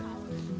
itu harus ada